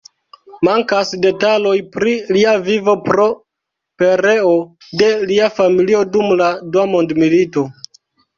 Mankas detaloj pri lia vivo pro pereo de lia familio dum la Dua Mondmilito.